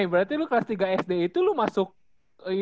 eh ne berarti lo kelas tiga sd itu lo masuk ini